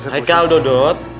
hai kal dodot